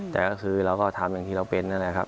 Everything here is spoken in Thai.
แต่ก็คือเราก็ทำอย่างที่เราเป็นนั่นแหละครับ